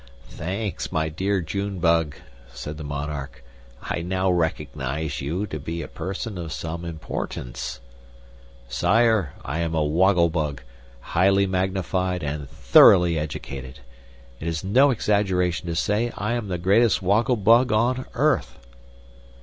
"Thanks, my dear June Bug," said the monarch; "I now recognize you to be a person of some importance." "Sire, I am a Woggle Bug, highly magnified and thoroughly educated. It is no exaggeration to say I am the greatest Woggle Bug on earth."